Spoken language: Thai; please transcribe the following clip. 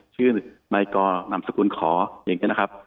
ชื่อไมกอนามสกุลขออย่างนี้นะครับ